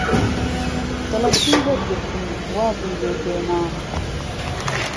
دڵهکهی وهرگرتم وازی لێ هێنام